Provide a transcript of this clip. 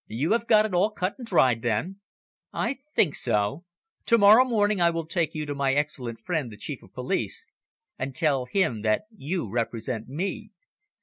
"You have got it all cut and dried, then?" "I think so. To morrow morning I will take you to my excellent friend, the Chief of Police, and tell him that you represent me.